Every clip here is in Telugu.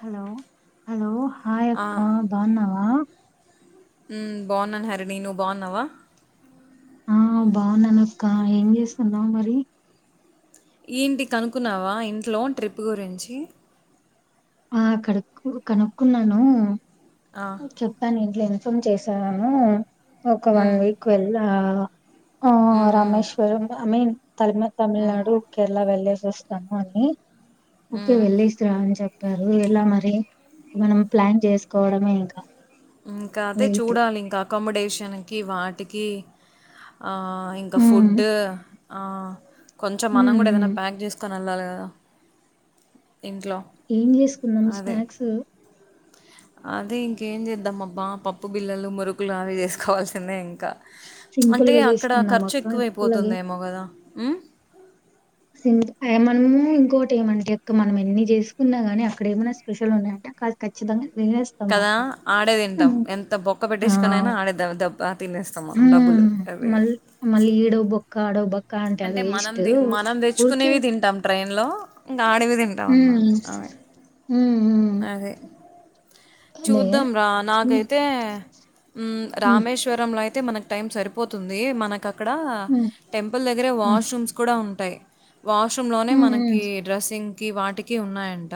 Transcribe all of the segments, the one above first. హలో హలో హాయ్ అక్క బాన్నావా మ్ బాన్నాను హరినీ నువు బాన్నావా ఆ బావున్నాను అక్క ఏం చేస్తున్నావు మరి ఏంటి కనుకున్నావా ఇంట్లో ట్రిప్ గురించి ఆ కనుక్ కు కనుక్కున్నాను ఆ! చెప్పాలే ఇంట్లు ఎం తుం చేశాను ఒక వన్ హ్మ్. వీక్ వెళ్ళా ఆ హ్మ్. హ్మ్. రామేశ్వరం అమే తమే తమిళనాడు కేరళ వెళ్ళ తెస్తాము అని ఓకే హ్మ్. వెళ్ళిసి ర అని చెప్ప తరు ఎలా మరి మనం ప్లాన్ చేసుకోవడమేయి ఇంకా అదే చూడాలి ఇంకా అకామిడేషన్కి వాటికి ఆ ఇంకా ఉమ్ ఫుడ్ ఆ కొంచం మనం ఉమ్ కూడా ఉమ్ ఏదైనా ప్లాంక్ చేసుకుని [unintelligible] ఏం జెసుకుందాం స్నాక్సు. అది ఇంకేం చేద్దాం అబ్బా పప్పు బిల్లలు మురుకులు అవి చేసుకోవాల్సిందే. కా చ్ సింపుల్ అంటే గా అక్కడ చేసుకుందాం ఖర్చు అక్క ఎక్కువలాగే ఎక్కువైపోతుందేమో గద. హ్ం. సిమట్ మనము ఇంకోటి ఏమంటే అక్క మనం ఎన్ని చేసుకున్నా గాని అక్కడ ఏమైనా స్పెషల్ ఉన్నాయంటే కాలి ఖచ్చితంగా. తినేస్తాం కదా మనం ఆడే తింటాం హ్మ్. ఎంత బొక్క ఆ పెట్టేసుకోనైన ఆడేదాబ్బ దబ్బ. హ్మ్ మల్ మళ్లి ఈడొ బొక్క ఆడో బక్. క అంటే అది వేస్టు ఉరికె. ట్రేన్ లో. హ్మ్ హ్మ్. అదే. అదే చూద్దాం రా హ్మ్ నాకైతే ఉమ్ హ్మ్ రామేశ్వరంలో అయి. అయితే మనకు టైం సరిపోతుంది మనక్. కక్కడ హ్మ్ టెంపుల్ దగ్గర హ్మ్ వాష్రూమ్స్ కూడా ఉ. టై. వాష్రూమ్ లోనే హ్మ్ హ్మ్ మనకి డ్రెస్సింగ్. కి వాటికి ఉన్నాయంట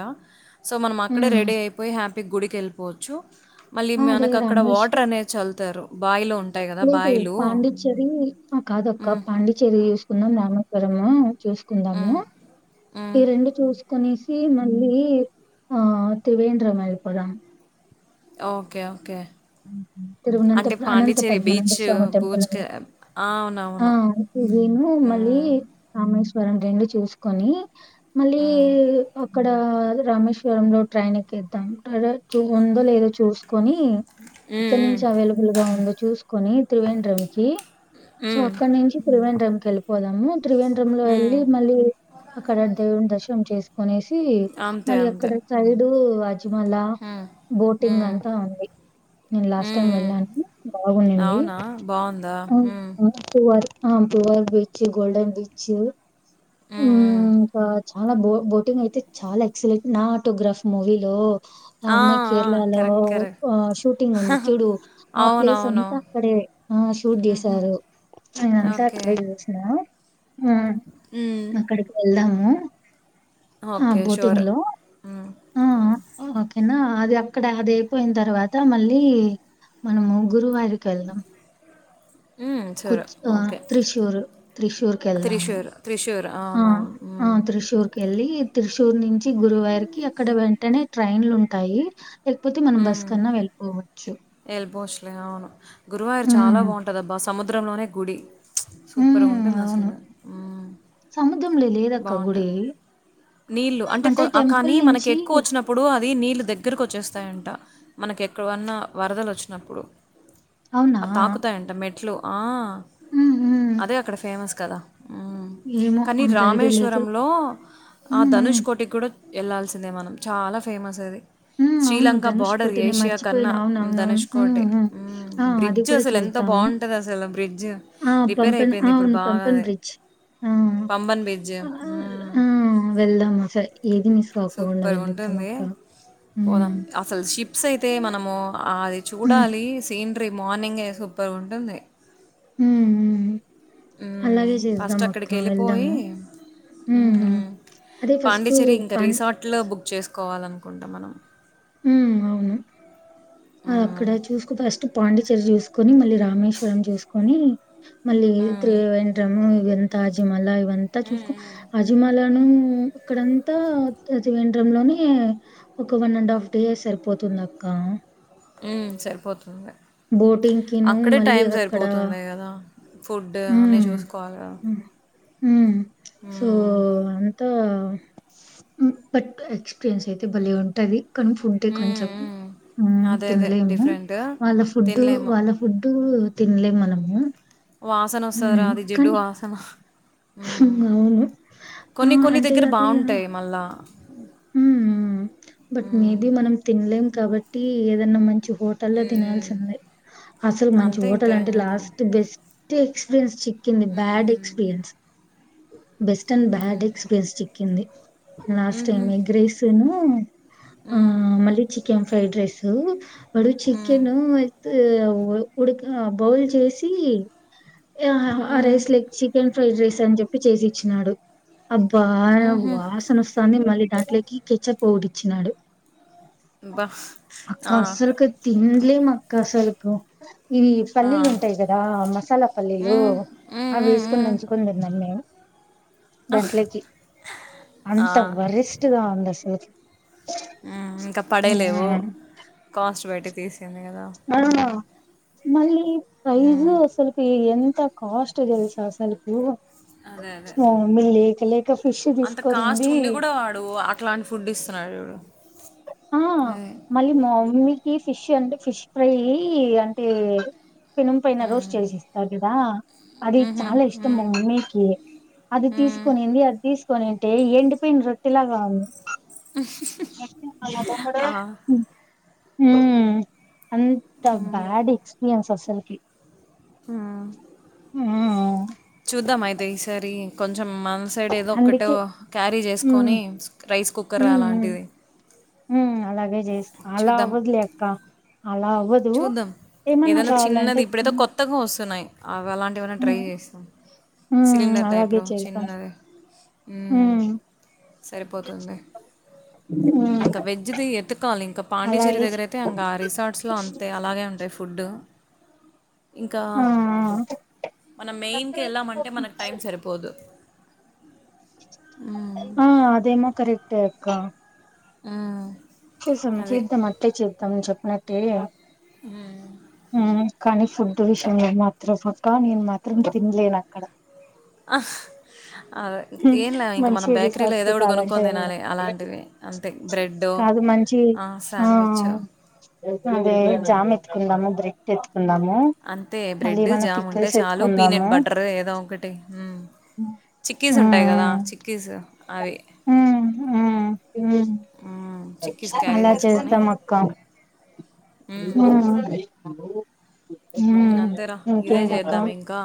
సో మనం మ. ఇక్కడె హ్మ్. రెడీఐపోయి హ్యా. పిగ్ గుడికెళ్ళిపోవచ్చు. మళ్ళీ అదే మెనక అక్కడ వాటర్ రామేశ్వరం అనేది చల్తారు. బాయిలోన్. లేదు పాండిచేర్రీ అ కాదక్క హ్మ్. పాండిచేర్రి చూసుకుందాం రామాపురమూ. చూసుకుందామూ హ్మ్. ఈ హ్మ్. రెండు చూస్. కనిసి మళ్ళీ ఆ త్రివేంద్రం ఎళ్ళిపోదాం. Okay okay. అంటే తిరుగునంతపు అనంత పాండిచ్చేరి పద్మ నంద బీచ్, స్వామి టెంపుల్ బూచ్‌కే ఆ అవునవును. నేను మళ్ళీ హ్మ్. రామేశ్వ. మనం రెండు చూసుకొని. మళ్ళీ హ్మ్. ఒ. ఇక్కడ రమేశ్వరం లో ట్రైన్ ఎక్కేదాం టాడ ఉందొ లేదో చూసుకోనీ. హ్మ్. ఇక్కడ హ్మ్. నుంచి అవైలబుల్ గా ఉందో చూసుకొని త్రివేంద్రం కి సో హ్మ్. అక్కడ నుంచి త్రివేంద్రం వెళ్ళిపోదమూ. త్రివేంద్ర లో హ్మ్. ఎళ్ళి మళ్ళీ అక్కడ దేవుడిని దర్శనం చేసు. కొనేసీ అంతే. మళ్ళీ అంతే. అక్కడ సైడూ. మజిమల హ్మ్. బోటింగ్ హ్మ్. అంతా ఉంది నేను లాస్ట్ హ్మ్. టైం హ్మ్. వెళ్ళాను బాగుంది అవునా? బావుందా? హ్మ్. పువర్ బీచ్ గోల్డన్ బీచ్ ఉ హ్మ్. హ్మ్. బ చాలా బో బోటింగ్ అయితే చాలా ఎక్సలెంట్ నా ఆటోగ్రాఫ్ మూవీలో ఆ! అమ్మా ఆ! కేరళలో కరెక్ట్. కరెక్ట్. ఆ ఉంది చూడు ఆ ప్లేస్ అవునవును. అంతా అక్కడే ఆ షూట్ చేసారు నేన అంతా ఓకే. అక్కడే చూసిన ఆ హ్మ్. మక్కడకి వే ఆ ఆ ఓకే. Boating sure. లో హ్మ్. హ్మ్. ఓకేనా అది అక్కడ అది అయిపోయిన తర్వాత అంత మళ్ళీ మనము గురువారికి వెళ్దాం హ్మ్. షూర్. కుచ్ ఓకే. త్రిశూర్ త్రిశూర్కి వెళ్దాము 'త్రిశూర్'. 'త్రిశూర్' అవునవును మ్ కెళ్ళి త్రి చూరు నుంచి గురువారి క అక్కడ వెంటనే ట్రైన్లు ఉంటాయి లేకపోతే మనం బస్సు హ్మ్. కన్నా వెళ్ళిపోవాలి ఎల్బోస్లే అవును గురువార్ చాలా హ్మ్. బాగుంటా అబ్బ సముద్ర సద్రంలోనే గుడి సూపర్గా హ్మ్. ఉంటుంది అవును. అసలు సముద్రంలో లేదక్క బాగుంటంది గుడి. నీళ్లు అంటే కొ టెంపుల్ కానీ మన నుంచి ఎక్కువ వచ్చినప్పుడు అది నీళ్ దగ్గరకు వచ్చేస్తాయంట మనకు ఎక్కడవన్నా వరదలు వచ్చినప్పుడు అవునా? ఆ తాకుతాయ్ అంట మే ఇట్లు ఆ హ్మ్. హ్మ్. అదే అక్కడ ఫేమస్ కద ఏమో అ రామేశ్వరంలో ఆ హ్మ్. ధనుష్ కోటి కూడా వెళ్లాాల్సిందే మనం చాలా ఫేమస్ అది అవును శ్రీలంక ధనుష్ బార్డర్ పోటీటి నేను ఏషియా కన్నా మర్చిపోయిను అవున ధనుష్ కోటి అవునువును ఆ అది బ్రిడ్జ్ కూడా అసలు ఎంత చూద్దాను బాగుంటుంది అసలు బ్రిడ్జ్ ఆ రిపేర్ పంపణ అయిపోయింది ఇప్పుడు అవును బాగా పంపన్ అది బ్రిడ్జ్ ఆ పంబన్ బ్రిడ్జ్ ఆ వెళ్దామా సరె ఏది తప్పకుండా సూపర్గా వెళ్ళద్దాం ఉంటుంది మక్క పోదాం అసలు షిప్స్ అయితే మనము ఆ హ్మ్. చూడాలి సీన్ డీ మార్నింగ్రా సూపర్ ఉంటుంది హ హ్మ్. అలాగే ఫస్ట్ చేద్దాం అక్క అక్కడికెళ్ళిపోయి వెళ్దాము అదే ఫస్ట్ రిసార్ట్లు బుక్ చేసు కావాలనుకుంటా మనం ఉ అవును అ అక్కడ హ్మ్. చూసుకో ఫస్ట్ పాండిచ్చేరి చూసుకో చూసుకొని మళ్ళీ రామేశ్వరం చూసుకొని మళ్డీ హ్మ్. త్రివేండ్రమ్ ఎంతాజిమలా బనా చూసుకు అజ మాల హ్మ్ ఇక్కడంతా తాజ్వండ్రంలోనే ఒక వన్ అండ్ హాఫ్ టే సరిపోతుంది అక్క హ్మ్. సరిపోతుంది. బోటింగ్కి ను అక్కడే మళ్ళీ టైం అక్కడ సరిపోతుంది గదా! ఫుడ్ అన్నీ మ్మ్ చూసుకోవాలి గదా! మ్మ్ ప్చ్ సో హ్మ్. అంతా మ్ బట్ ఎక్స్పీరియన్స్ అయితే భలే ఉంటది. క్క ఫుడ్రే హ్మ్. కొంచెం హ్మ్. అదే. అదే. తినలేము డిఫరెంట్ వాళ్ళ ఫుడ్ తినలేము. వాళ్ళ ఫుడ్ టు తినలే మనము వాసన వస్తుంది రా అది జిడ్డు వాసన హ్మ్. అవునవును ఆ అంటే అది ఆ బట్ హ్మ్. హ్మ్. మేది మనం తినలేం కాబట్టి ఏదన్నా మంచీ హోటల్ల్లో హ్మ్. తినాల్సిందే అసలు మంచి అంతే ఇంకా హోటల్ ఏం అంటే చేద్దాం లాస్ట్ బెస్ట్ టీ ఎక్స్పీరియన్స్ చిక్ కింది bad experience best and bad experience చిక్కింది. హలో ఉహూ, ఎగ్ రైస్ ను ఉమ్, మళ్ళీ చి కెన్ ఫ్రైడ్ రైస్ వాడు ఉమ్, చికెేను ఎగ్ ఉడిక బౌల్ చేసి ఆ ఆ ఉమ్, రైస్ లే కి చికెన్ ఫ్రైడ్ రైస్ అని చెప్పి చేసి ఇచ్చినాడు అబ్బా ఉహూ, వాసన వస్తాంది మళ్ళీ దాంట్లోకి కెచ్చపోడిచ్చినాడు బా హా లే మక్కసలుకు ఇవి ఆ, పల్లీలు ఉంటాయి కదా మసాలా పల్లీలు ఉమ్, ఉమ్, అవి ఉమ్, వేసుకొని ఉమ్, దంచుకొని తిన్నాం మేము ఆహ్, దాంట్లోకి ఆ, అంత వరి గా ఉంది అసలుకి హు ఇంకా పడేలేవు కాస్ట్ బయటి తేస్ కెన్ ది కదా ఆ! మళ్ళీ రైజ్ ఉమ్, అసలు కి ఏం ఎంత కాస్ట్ తెలుసా అసలుకు అదే అదే మా మమ్మీ లేక లేక ఫిష్ అంత కాస్ట్ తీసుకొనింది ఉండి కూడా వాడు అట్లాంటి ఫుడ్ ఇస్తున్నాడు చూడు ఆ అదే మళ్ళీ మామ్మీకి ఫిష్ అంటే ఫిష్ ఫ్రై యి అంటే పెనం పైన ఉమ్, రోస్ట్ చేసి ఇస్తారు దా అది ఉహూ, చాలా ఇష్టం ఉమ్, మా మమ్మీకి అది ఉమ్, తీసుకునింది అది తీస్ కనింటే ఎండిపోయిన రొట్టెలాగా ఉంది అ [unintelligible] హూ హ్మ్ అంత బ్యాడ్ ఎక్స్పీరియన్స్ అస్ సల్ కి ఆ మ్మ్ అర్దమ అయితే ఈ సారి కొంచ కొంచెం మన సైడ్ ఏదో ఒకటో అందుకే క్యారీ మ్మ్ చేసుకొని రైస్ కుక్కర్ అలాంటిది హ అలాగే అలా చూద్దాం అవద్ లే అక్క అలా అవద్ చూద్దాం ఏదనా చిన్నది ఇప్పుడ ఏదో హ్మ్ కొత్తగా వస్తుం సన్నాైన్ అవి అలాంటివన్నా ట్రై హ్మ్ చేస్తాం హ్మ్ సిలిండర్ అలాగే టైప్లో చేద్దాం. చిన్నది హ్మ్ సరిపోతుంది ఇంకా హ్మ్ వెజ్ది ఎతుకవాలి ఇంకా పాండిచ్చేరి అలాగే దగ్గర చే అయితే ఇంకా ఆ రిసార్ట్స్లో అంత అలాగే ఉంటాయి ఫుడ్డు ఇంకా ఆ మనం మెయిన్కి వెళ్ళామంటే మనకు టైం సరిపోదు మ్మ్. ఆ అదేమ కరెక్ట అక్క ఆ చేసాం చేద్దాం అట్టే చేద్దాంని చెప్పు నత్తే ఆకానీ ఫుడ్ విషయంలో మాత్రం పక్క నేను మాత్రం తినలేను అక్కడ ఆహ్ మంచి రిసార్ట్ కి ఒకటి కాాలంటే కొనుక్కొని తినాలి అలాంటివి అంతే బ్రెడ్ కాదు మంచి ఆ శాండ్విచ్ అదే మ్మ్. జామ్ ఎత్తుకుందాము బ్రెడ్డ్ టేచ్ అంతే బ్రెడ్ జామ్ ఉంటే పిక్కిల్స్ చాలు ఎత్తుకుందాము పీనేట్ బటర్ ఏదో ఒకటి చిక్కీస్ ఉంటాయి కదా చిక్కీస్ అవిే హ ఆ మ్మ్. చిక్కీస్ ఆ క్యారీ అలా చేసుకొని చేస్తాం అక్క మ్మ్. హ్మ్ అంతేరా ఇదే చేద్దాం ఇంకా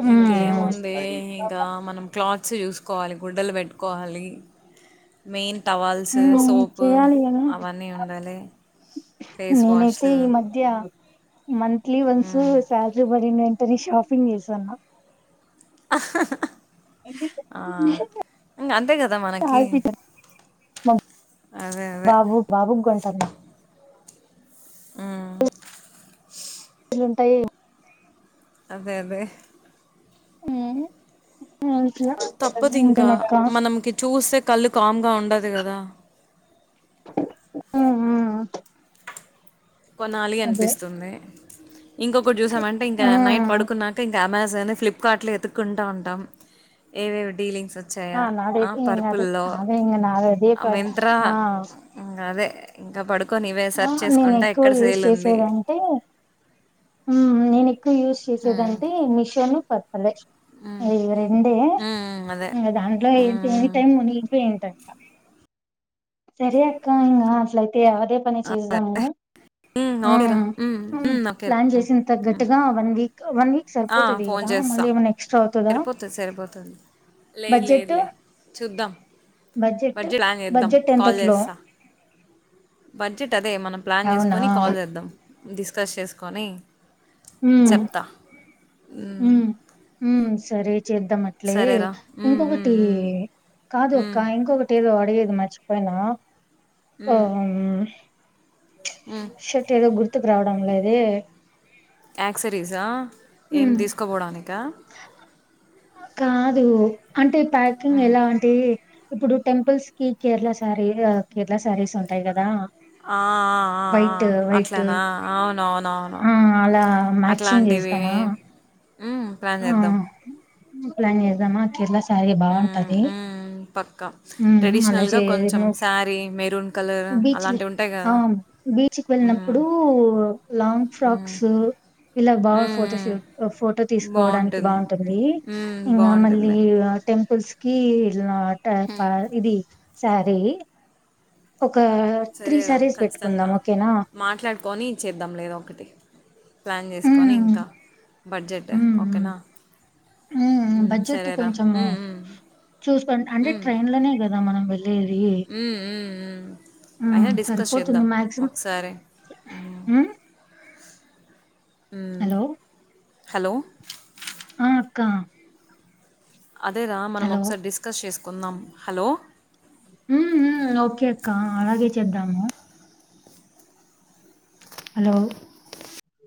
ఉమ్ ఇంకేముంది ఇంకా మనం క్లాత్ ఉస్సు చూసుకోవాలి గుడ్డలు పెట్టుకోవాలి మెయిన్ టవాల్స్ ఉమ్ సోపు చేయాలి కదా అవన్నీ ఉండాలి ఫేస్ నేనైతే వాష్లు ఈ మధ్య మంత్లీ వన్ సు మ్మ్. స్వాల్ రి ఇ ఎంటర షాపింగ్ చేసాన్న ఆహహ ఆఇంకా అంతే కదా మనకి మా అదే అదే బాబు బాబుకి కొంటన్న హ్మ్ లుంటాయి అదే అదే హ్మ్ [unintelligible] తప్పదు ఇంకా మనంకి చూస్తే కళ్ళు కామ్ గా ఉండదు. అదే కదా హమ్ కొనాలి అనిపిస్తుంది ఇంకొకటి చూసామంటే ఇంకా నైట్ మ్మ్ పడుకున్నాక ఇం కెమెరాస్ అది ఫ్లిప్కార్ట్ లో ఎతుక్కుంటా ఉంటాం ఏవేవి డీలింగ్స్ ఆ వచ్చాయా నాది అది ఏం కాదు పర్పుల్లో అదే ఇంగ నాదే మింత్రా ఆ ఇంక అదే ఇంకా పడు కొనివే సర్చ్ చేసుకుంటా ఎక్కడ యూసు సేల్ ఉంది చేసేదంటే మ్ నేను యూజ్ ఉమ్ చేసేదింటే మిషన్ అదే ఇవి రెండే ఉమ్, అదే దాంట్లో ఎనీ ఉమ్ టైమ్ మునిగిపోయి ఉంటాయి సరే అక్క ఇంగ అసల అతే అదే పని చేదాము ఉమ్, ఓకేరా ఉమ్, ఉమ్, ఓకేరా ప్లాన్ ఉమ్. చేసిన తగ్గట్టుగా ఉంది ఫోన్ చేస్తా ఎక్స్ట్రా అవుతదా సరిపోతుంది సరిపోతుంది లేదు లేదు బడ్జెట్ లే చూద్దాం బడ్జెట్ లా చేద్దాం బడ్జెట్ కాల్ ఎంతట్లో చేస్తా బడ్జెట్ అదే మనం ప్లాన్ అవునా చేసుకొని కాల్ చేద్దాం డిస్కస్ చేసుకొని చెత్త హమ్ సరే చేద్దాం అట్లే సరేరా ఉమ్, ఉమ్, ఇంకొకటి ఉమ్. కాదు అక్క ఉమ్, ఇంకొకటి ఏదో మ్ ఉమ్. షట్ ఏదో గుర్తు గుర్తుకు రావడం లేదే ఆక్సరీసా ఏం హ్మ్. తీసుకోపోవడానిక కాదు అంటే ప్యాకింగ్ ఎలాంటి ఇప్పుడు టెంపుల్స్ కి కేరళ శారీ కేరళ శారీస్ ఉంటాయి కదా ఆ ఆ ఆ అట్లనా అవునవునవును ఆ! అలా మ్యాచింగ్ అట్లాంటివి జేస్తామా? మ్ ప్లాన్ చేద్దాం మ్ ప్లాన్ చేద్దామా [unintelligible] సరే ఉమ్, బాగుంటది ఉమ్, పక్కా మ్ అలా ట్రెడిషనల్గా చేయదు కొంచెం నువ్ శారీ మెరూన్ కలర్ బీచ్ అలాంటివి ఉంటాయి కదా బీచ్కి ఉమ్, వెళ్ళినప్పుడు లాంగ్ ఫ్రాక్స్ ఇలా బాగా ఉమ్, ఉమ్. ఫోటోషూట్ ఫోటో తీసుకు పోవడానికి బాగుంటుంది ఉమ్, ఇంకా మళ్ళీ బాగుంటుంది టెంపుల్స్ కీ నాట ఇది సరే సరేదా పెట్టుకుందాం ఖచ్చితంగా ఓకేనా? మాట్లాడుకొని చేద్దాం లేద ఒకటి ప్లాన్ చేసుకొని హ్మ్. ఇంకా బడ్జెట్ ఓకేనా మ్ మ్ ఉమ్, బడ్జెట్ సరేరా కొంచెము ఉమ్, ఉమ్. చూసుకోండి అంటే ట్రైన్ లోనే కదా మనం వెళ్ళి హ్మ్. అయినా డిస్కస్ చేద్దాం సరిపోతుంది మాక్సిమం ఒకసారి హ్మ్. మ్ హలో! హలో ఆ అక్క అదే రా మనం హలో! ఒకసారి డిస్కస్ చేసుక కొన్నాం హలో మ్ మ్ ఓకే అక్క అలాగే చేద్దాము హలో